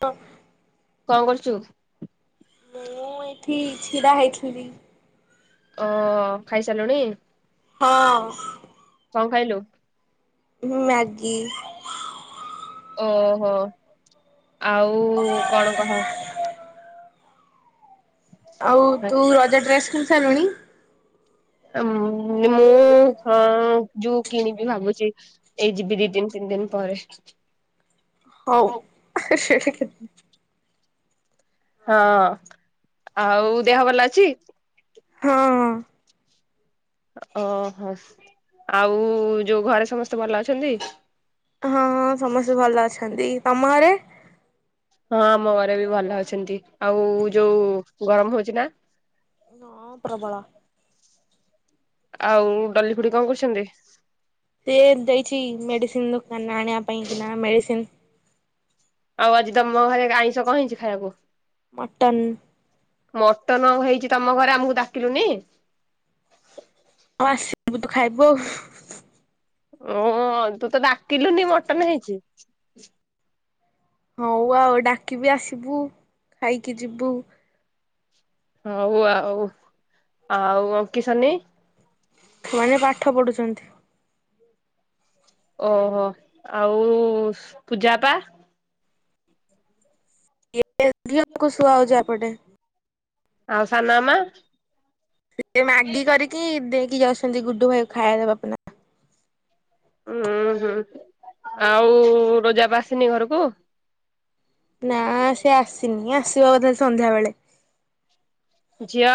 ତ କଣ କରୁଚୁ? ମୁଁ ଏଇଠି ଛିଡ଼ା ହେଇଥିଲି। ଓ ଖାଇସାରିଲୁଣି? ହଁ। କଣ ଖାଇଲୁ? ହଁ ମ୍ୟାଗି। ଓହୋ! ଆଉ କଣ କହ? ଆଉ ତୁ ରଜ ଡ୍ରେସ୍ କିଣି ସାରିଲୁଣି? ମୁଁ ହଁ ଯୋଉ କିଣିବି ଭାବୁଛି। ଏଇ ଯିବି ଦି ଦିନ ତିନି ଦିନ ପରେ। ହଉ। ହଁ ହଁ। ଆଉ ଦେହ ଭଲ ଅଛି? ହଁ। ଓହୋ, ଆଉ ଯୋଉ ଘରେ ସମସ୍ତେ ଭଲ ଅଛନ୍ତି? ହଁ ହଁ ସମସ୍ତେ ଭଲ ଅଛନ୍ତି। ହଁ ଆମ ଘରେ ବି ଭଲ ଅଛନ୍ତି ଆଉ ଯୋଉ ଗରମ ହଉଛି ନା? ହଁ ପ୍ରବଳ। ଆଉ ଡଲି ଖୁଡ଼ି କଣ କରୁଛନ୍ତି? ସିଏ ଦେଇଛି ମେଡ଼ିସିନ ଦୋକାନ ଆଣିବା ପାଇଁ କି ନା ମେଡ଼ିସିନ। ଆଉ ଆଜି ତମ ଘରେ ଆଇଁଷ କଣ ହେଇଛି ଖାଇବାକୁ? ମଟନ୍। ମଟନ ହେଇଛି ତମ ଘରେ ଆମକୁ ଡ଼ାକିଲୁନି? ହଉ ଆସିବୁ ତୁ ଖାଇବୁ ଆଉ। ଓ ତୁ ତ ଡ଼ାକିଲୁନି ମଟନ ହେଇଛି। ହଉ ଆଉ ଡ଼ାକିବି ଆସିବୁ ଖାଇକି ଯିବୁ। ହଉ ଆଉ ଆଉ କିଶାନ୍ ନାହିଁ? ସେମାନେ ପାଠ ପଢୁଛନ୍ତି। ଓହୋ! ଆଉ ପୂଜା ଅପା? [unintelligible] ଆଉ ସାନ ମାମା? ସେ ମ୍ୟାଗି କରିକି ଦେଇକି ଯାଉଛନ୍ତି ଗୁଡୁ ଭାଇକୁ ଖାଇଦେବା ପାଇଁ। ଉୁଁ ହୁଁ ଆଉ ରୋଜା ଅପା ଆସିନି ଘରକୁ? ନା ସେ ଆସିନି ଆସିବା କଥା ସନ୍ଧ୍ୟା ବେଳେ। ଝିଅ?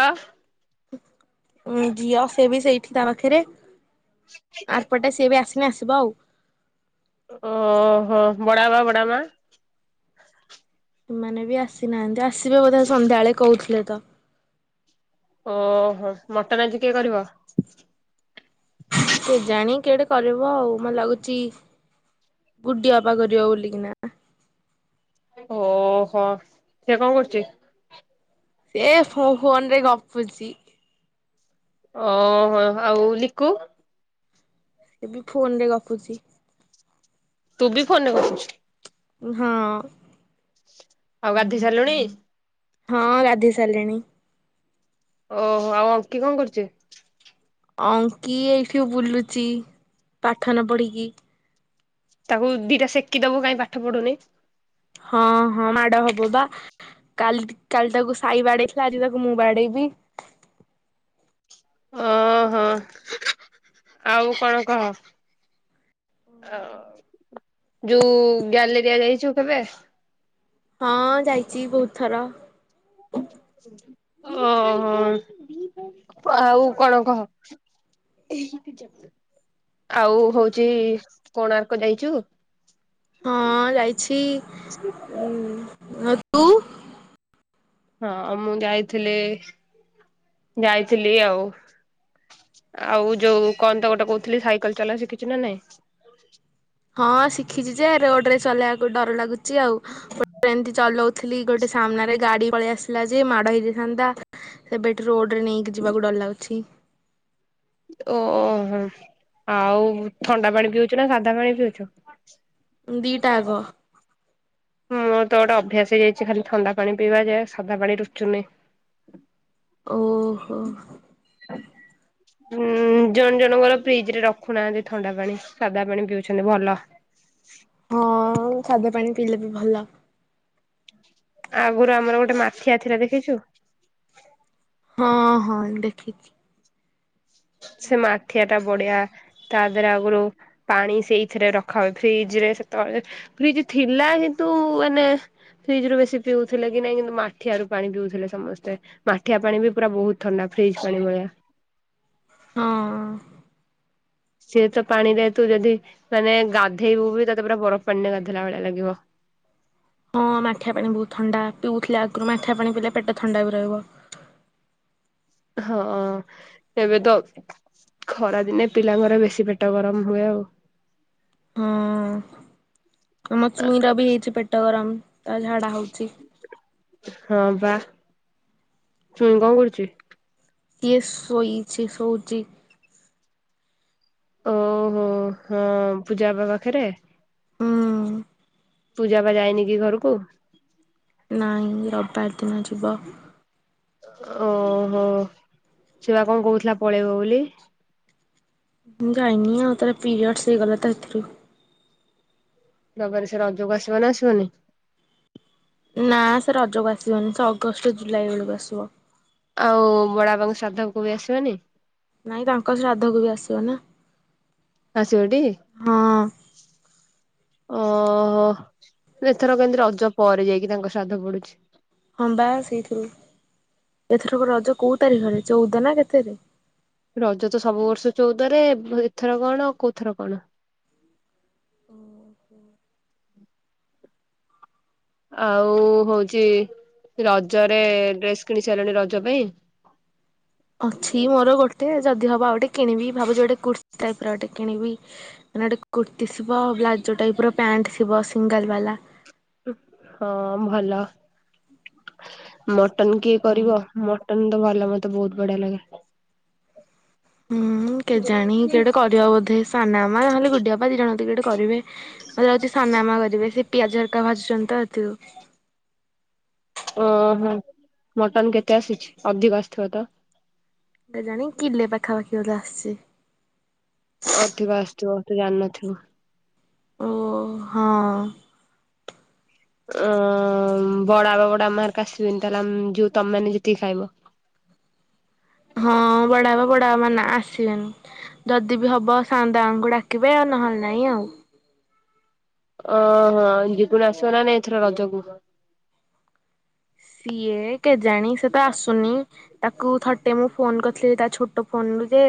ଝିଅ ସେ ବି ସେଇଠି ତା ପାଖରେ। ଆର୍ ପଟେ ସିଏ ବି ଆସନି ଆସିବ ଆଉ। ଓହୋ, ବଡ଼ ବାପା, ବଡ଼ ମାଆ? ସେମାନେ ବି ଆସିନାହାନ୍ତି ଆସିବେ ବୋଧେ ସନ୍ଧ୍ୟାବେଳେ କହୁଥିଲେ ତ? ଓହୋ। ମଟନ୍ ଆଜି କିଏ କରିବ? କେଜାଣି କିଏ ଗୋଟେ କରିବ ଆଉ? ମତେ ଲାଗୁଛି ଗୁଡି ଅପା କରିବ ବୋଲିକିନା! ଓହୋ! ସେ କଣ କରୁଛି? ସିଏ ଫୋ ଫୋନରେ ଗପୁଛି। ଓହୋ! ହ ଆଉ ଲିକୁ? ସିଏ ବି ଫୋନ ରେ ଗପୁଛି। ତୁ ବି ଫୋନ ରେ ଗପୁଛୁ? ହଁ। ଆଉ ଗାଧୋଇ ସାରିଲୁଣି? ହଁ ଗାଧେଇ ସାରିଲିଣି। ଓହୋ, ଆଉ ଅଙ୍କି କଣ କରୁଛି? ଅଙ୍କି ଏଇଠି ବୁଲୁଚି ପାଠ ନ ପଢ଼ିକି। ତାକୁ ଦିଟା ସେକି ଦବୁ କାହିଁ ପାଠ ପଢୁନି। ହଁ ହଁ ମାଡ ହବ ବା। କାଲି କାଲି ତାକୁ ସାଇ ବାଡେଇଥିଲା ଆଜି ତାକୁ ମୁଁ ବାଡ଼େଇବି। ଓହୋ ଆଉ କଣ କହ? ଆ ଯୋଉ ଗ୍ୟାଲେରିଆ ଯାଇଛୁ କେବେ? ହଁ ଯାଇଛି ବୋହୁତ ଥର। ଓହୋ ଆଉ କଣ କହ? ଆଉ ହଉଛି କୋଣାର୍କ ଯାଇଛୁ? ହଁ ଯାଇଛି ଉମ୍ ଆଉ ତୁ? ହଁ ମୁଁ ଯାଇଥିଲି ଯାଇଥିଲି ଆଉ। ଆଉ ଯୋଉ କଣ ତ ଗୋଟେ କହୁଥିଲି, ସାଇକେଲ ଚଲା ଶିଖିଛୁ ନା ନାଇଁ? ହଁ ଶିଖିଛି ଯେ ରୋଡ ରେ ଚଲେଇବାକୁ ଡର ଲାଗୁଛି ଆଉ ଏମିତି ଚଳାଉ ଥିଲି ଗୋଟେ ସାମ୍ନାରେ ଗାଡି ପଳେଇ ଆସିଲା ଯେ ମାଡ ହେଇଯାଇଥାନ୍ତା। ସେବେଠୁ ରୋଡ ରେ ନେଇକି ଯିବାକୁ ଡର ଲାଗୁଛି। ଓହୋ ହୋ। ଆଉ ଥଣ୍ଡା ପାଣି ପିଉଛୁ, ନା ସାଧା ପାଣି ପିଉଛୁ? ଦିଇଟାକ। ମୁଁ ତ ଗୋଟେ ଅଭ୍ୟାସ ହେଇ ଯାଇଛି ଖାଲି ଥଣ୍ଡା ପାଣି ପିଇବା ଯେ ସାଧା ପାଣି ରୁଚୁନି। ଓହୋ। ଉମ୍ ଜଣେ ଜଣଙ୍କର ଫ୍ରିଜ ଶରେ ରଖୁନାହାନ୍ତି ଥଣ୍ଡା ପାଣି ସାଦା ପାଣି ପିଉଛନ୍ତି ଭଲ। ହଁ ସାଧା ପାଣି ପିଇଲେ ବି ଭଲ। ଆଗରୁ ଆମର ଗୋଟେ ମାଠିଆ ଥିଲା ଦେଖିଛୁ? ହଁ ହଁ ଦେଖିଛି। ସେ ମାଠିଆ ଟା ବଢିଆ ତା ଦେହରେ ଆଗରୁ ପାଣି ସେଇଥିରେ ରଖା ହୁଏ। ଫ୍ରିଜ ରେ ସେତେବେଳେ ଫ୍ରିଜ ଥିଲା କିନ୍ତୁ ମାନେ ଫ୍ରିଜ ରୁ ବେଶୀ ପିଉଥିଲେ କି ନାଇଁ କିନ୍ତୁ ମାଠିଆରୁ ପାଣି ପିଉଥିଲେ ସମସ୍ତେ। ମାଠିଆ ପାଣି ବି ପୁରା ବହୁତ ଥଣ୍ଡା ଫ୍ରିଜ୍ ପାଣି ଭଳିଆ। ହଁ। ସିଏ ତ ପାଣିରେ ତୁ ଯଦି ମାନେ ଗାଧେଇବୁ ବି ତତେ ପୁରା ବରଫ ପାଣିରେ ଗାଧୋଇଲା ଭଳିଆ ଲାଗିବ। ହଁ ମାଠିଆ ପାଣି ବହୁତ ଥଣ୍ଡା। ପିଉଥିଲି ଆଗରୁ। ମାଠିଆ ପାଣି ପିଇଲେ ପେଟ ଥଣ୍ଡା ବି ରହିବ। ହଁ ଏବେ ତ ଖରା ଦିନେ ପିଲାଙ୍କର ବେଶୀ ପେଟ ଗରମ ହୁଏ ଆଉ। ହଁ ଆମ ଚୁଇଁର ବି ହେଇଛି ପେଟ ଗରମ ତାର ଝାଡା ହଉଛି। ହଁ ବା ଚୁଇଁ କଣ କରୁଛି? କିଏ ଶୋଇଛି ଶୋଉଛି। ଓହୋ ହଁ ପୂଜା ବା ପାଖରେ? ହୁଁ ପୂଜା ବା ଯାଇନି କି ଘରକୁ? ନାଇଁ ରବିବାର ଦିନ ଯିବ। ଓହୋ ଛୁଆ କଣ କହୁଥିଲା ପଳେଇବ ବୋଲି? ମୁଁ ଯାଇନି ଆଁଉ ତାର ପିରିୟଡସ ହେଇଗଲା ତ ଏଥରୁ। ରବିବାରେ ସେ ରଜକୁ ଆସିବ ନା ଆସିବନି? ନା ସେ ରଜକୁ ଆସିବନି ସେ ଅଗଷ୍ଟ ଜୁଲାଇ ବେଳକୁ ଆସିବ। ଆଉ ବଡା ବା ସାଧକୁ ବି ଆସିବନି? ନାଇଁ ତାଙ୍କ ଶ୍ରାଦ୍ଧକୁ ବି ଆସିବ ନା। ଆସିବ ଟି ହଁ ଓହୋ। ଏଥର କେମିତି ରଜ ପରେ ଯାଇକି ତାଙ୍କ ଶ୍ରାଦ୍ଧ ପଡୁଛି। ହବା ସେଇଥିରୁ ଏଥରକ ରଜ କୋଉ ତାରିଖରେ ଚଉଦ ନା କେତେରେ? ରଜ ତ ସବୁ ବର୍ଷ ଚଉଦରେ ଏଥର କଣ ଆଉ କୋଉଥର କଣ? ଆଉ ହଉଛି ରଜରେ ଡ୍ରେସ କିଣି ସାରିଲଣି ରଜ ପାଇଁ? ଅଛି ମୋର ଗୋଟେ ଯଦି ହବ ଆ ଗୋଟେ କିଣିବି ଭାବୁଛି ଗୋଟେ କୃତି ଟାଇପ ର ଗୋଟେ କିଣିବି। ମାନେ ଗୋଟେ କୁର୍ତ୍ତିୀ ଥିବ ପ୍ଲାଜୋ ଟାଇପ ର ପ୍ୟାଣ୍ଟ ଥିବ ସିଙ୍ଗଲ ବାଲା। ହଁ ଭଲ। ମଟନ କିଏ କରିବ ମଟନ ତ ଭଲ ମତେ ବହୁତ ବଢିଆ ଲାଗେ। ହୁଁ କେଜାଣି କିଏ ଗୋଟେ କରିବ ବୋଧେ ସାନ ମା ନହେଲେ ଗୁଡିଅପା ଦି ଜଣ ଭିତରୁ କିଏ ଗୋଟେ କରିବେ। ମୁଁ ଯାଉଛି ସାନମା ଘରକୁ ଯିବି ସେ ପିଆଜ ହେକ ଭାୁଛନ୍ତି ତ ଏଥିରୁ ଓହୋ, ମଟନ କେତେ ଆସିଛି ଅଧିକ ଆସିଥିବ ତ? କେଜାଣି କିଲେ ପାଖାପାଖି ବୋଧେ ଆସିଛି। ଅଧିକ ଆସୁଥିବ ତୁ ଜାଣିନଥିବୁ। ଓ, ହଁ। ଅ ବଡ ବାପା ବଡା ମା ହେରିକା ଆସିବେନି ତାହେଲେ ଆ ତମେ ମାନେ ଯେତିକି ଖାଇବ? ହଁ, ବଡ ବାପା ବଡା ମା ମାନେ ଆସିବେନି ଯଦି ବି ହବ ସାଆନ୍ତ ବାବୁ ଡାକି ଡାକିବେ ଆଉ ନହେଲେ ନାଇଁ ଆଉ। ଓହ ଜିଗୁନ ଆସିବ ନା ନାଇଁ ଏଥର ରଜକୁୁ? ସିଏ କେଜାଣି ସେ ତ ଆସୁନି। ତାକୁ ଥରଟେ ମୁଁ ଫୋନ କରିଥିଲି, ତା ଛୋଟ ଫୋନ ରୁ ଯେ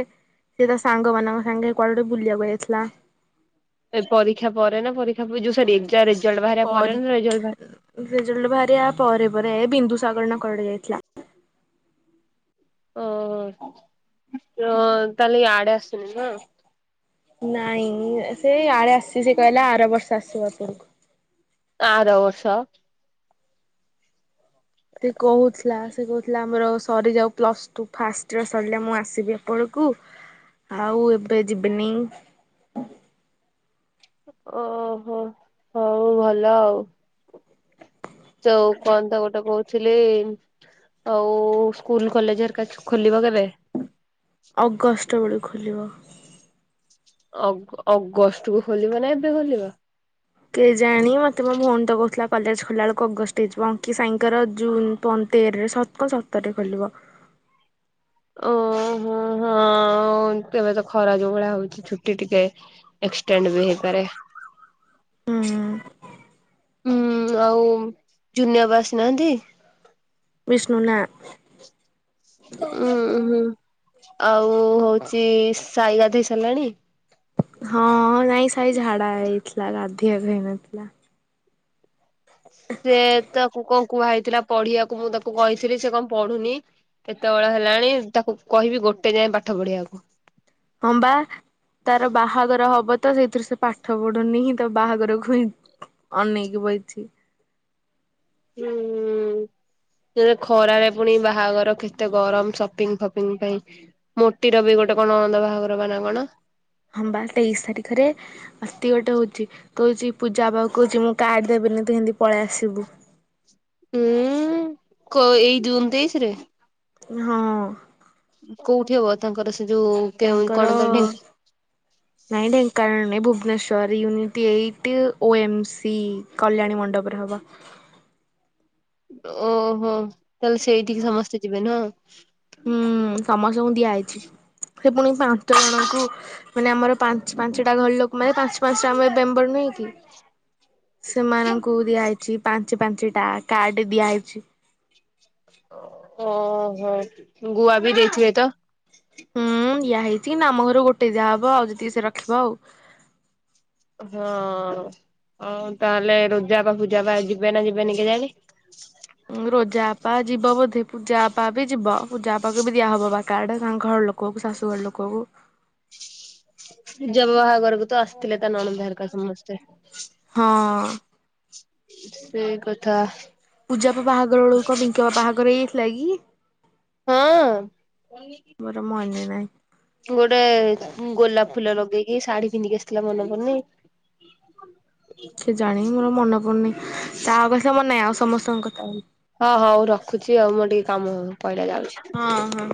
ସେ ତା ସାଙ୍ଗ ମାନଙ୍କ ସାଙ୍ଗେ କୁଆଡେ ଗୋଟେ ବୁଲିବାକୁ ଯାଇଥିଲା। ଏ ପରୀକ୍ଷା ପରେ ନା ପରୀକ୍ଷା ଯୋଉ ସରି ରେଜଲ୍ଟ ବାହାରିବା ପରୀ ପରେ ରେଜଲଟ ବା ରେଜଲ୍ଟ ବାହାରିିବା ପରେ ପରେ ଏ ବିନ୍ଦୁସାଗର ନା କୁଆଡ଼େ ଗୋଟେ ଯାଇଥିଲା? ଓହୋ ତାହେଲେ ଇଆଡେ ଆସୁନି ନୁହ। ନାଇଁ, ସେ ଆଡେ ଆସିଛି ସେ କହିଲା ଆର ବର୍ଷ ଆସିବ ଏପଟ କୁ। ଆର ବର୍ଷ? ସେ କହୁଥିଲା ସେ କହୁଥିଲା, ଆମର ସରିଯାଉ ପ୍ଲସ୍ ଟୁ ଫାଷ୍ଟ ଇଅର ସରିଲା ମୁଁ ଆସିବି ଏପଟକୁ। ଆଉ ଏବେ ଯିବିନି। ଓହୋ ହଉ ଭଲ ଆଉ। ଯୋଉ କଣ ତ ଗୋଟେ କହୁଥିଲି ଆଉ ସ୍କୁଲ କଲେଜ ହେରିକା ଖୋଲିବ କେବେ? ଅଗଷ୍ଟ ବେଳକୁ ଖୋଲିବ। ଅ ଅଗଷ୍ଟ କୁ ଖୋଲିବ ନା ଏବେ ଖୋଲିବ? କେଜାଣି ମତେ ମୋ ଭଉଣୀ ତ କହୁଥିଲା କଲେଜ ଖୋଲିଲା ବେଳକୁ ଅଗଷ୍ଟ ହେଇ ଯିବ ଅଙ୍କି ସାଇଙ୍କର ଜୁନ ଟୱଣ୍ଟୀ ସତ କଣ ସତରେ ଖୋଲିବ? ଓ ହୋ ହଁ। ହଁ, ଏବେ ତ ଖରା ଯୋଉ ଭଳିଆ ହଉଛି ଛୁଟି ଟିକେ, ଏକ୍ସଟେଣ୍ଡ ବି ହେଇପାରେ? ହୁଁ ହୁଁ, ଆଉ ଜୁନିଆ ବା ଆସିନାହାନ୍ତି? ବିଷ୍ଣୁ, ନା ଉଁ ଉ ହୁଁ, ଆଉ ହଉଚି ସାଇ ଗାଧୋଇ ସାରିଲାଣି? ହଁ, ନାଇଁ ସାଇ ଝାଡା ଯାଇଥିଲା ଗାଧେଇବା ପାଇଁ ଯାଇନଥିଲା! ସେ ତାକୁ କଣ କୁହା ଯାଇଥିଲା ପଢିବାକୁ, ମୁଁ ତାକୁ କହିଥିଲି ସେ କଣ ପଢୁନି ଏତେବେଳ ହେଲାଣି ତାକୁ କହିବି ଗୋଟେ ଯାଏଁ ପାଠ ପଢିବାକୁ! ଅମ୍ବା ତାର ବାହାଘର ହବ ତ, ସେଇଥିରୁ ସେ ପାଠ ପଢୁନି, ହିଁ ତ ବାହାଘରକୁ ଅନେଇକି ବଇଚି ହୁଁ ଖରାରେ ପୁଣି ବାହାଘର କେତେ ଗରମ, ସପିଙ୍ଗ ଫପିଙ୍ଗ ପାଇଁ! ମୂ ଟିର ବି ଗୋଟେ କଣ ନଣନ୍ଦ ବାହାଘର ବା ନା କଣ? ହବା ତେଇଶି ତାରିଖରେ ଅତି ଗୋଟେ ହଉଛି, କହୁଛି ପୂଜାଅପା କୁ କହୁଛି ମୁଁ କାର୍ଡ ଦେବିନି, ତୁ ହେମିତି ପଳେଇ ଆସିବୁ! ଉୁଁ, କୋ ଏଇ ଜୁନ ତେଇଶ ରେ ହଁ! କୋଉଠି ହବ? ତାଙ୍କର ସେ ଯୋଉ କେଉଁ କଣ ଦାଣ୍ଡି! ତାଙ୍କର ନାଇଁ, ଢେଙ୍କାନାଳରେ ନାଇଁ ଭୁବନେଶ୍୍ୱର ୟୁନିଟ ଏଇଟ ଓ ଏମ୍ସି କଲ୍ୟାଣୀ ମଣ୍ଡପରେ ହବ। ଓହୋ ତାହେଲେ ସେଇଠିକି ସମସ୍ତେ ଯିବେନି ହଁ ହୁଁ ସମସ୍ତଙ୍କୁ ଦିଆହାଇଛି ସେ ପୁଣି ପାଞ୍ଚ ଜଣଙ୍କୁ ମାନେ ଆମର ପାଞ୍ଚ ପାଞ୍ଚଟା ଘର ଲୋକ ମାନେ ପାଞ୍ଚ ପାଞ୍ଚଟା ଆମ ମେମ୍ବର ନୁହଁ କି ହ ସେମାନଙ୍କୁ ଦିଆହେଇଛି ପାଞ୍ଚ ପାଞ୍ଚଟା କାର୍ଡ ଦିଆହେଇଛି। ଓହୋ ଗୁଆ ବି ଦେଇଥିବେ ତ ହୁଁ ୟଆ ହେଇଛି କି ନା ଆମ ଘର ଗୋଟେ ଦ ଯାହା ହବ ଆଉ ଯେତିକି ସେ ରଖିବ ଆଉ ହଁ ଆଉ ତାହେଲେ ରୋଜା ବା ଫୂଜା ବା ଯିବେ ନା ଯିବେନି କେ ଯାନି ରୋଜାପା ଯିବ ବୋଧେ ପୂଜାପା ବି ଯିବ ପୂଜାପାକୁ ବି ଦିଆ ହବବା ବା କାଡ ସା ଘର ଲୋକ କକୁ ଶାଶୁ ଘର ଲୋକକୁ ଜବ ବାହାଘରକୁ ତ ଆସିଥିଲେ ତା ନଣନ୍ଦରକା ସମସ୍ତେ ହଁ। ସେଇ କଥା ପୂଜା ବାହାଘର ଲୋକ ପଙ୍କ ବାପହାଘର ହେଇଥିଲା କି ହଁ ମୋର ମନେ ନାହିଁ। ତୁ ଗୋଟେ ଗୋଲାପ ଫୁଲ ଲଗେଇକି ଶାଢୀ ପିନ୍ଧିକି ଆସିଥିଲା ମନେ ପଡୁନି! କେ ଜାଣି! ମୋର ମନେ ପଡୁନି ତା କଥା ମନେ ନାହିଁ ଆଉ ସମସ୍ତଙ୍କ କଥା ହଁ ହଉ ହଉ ରଖୁଛି ଆଉ ମୁଁ ଟିକେ କାମ କହିଲା ଯାଉଛି। ହଁ ହଁ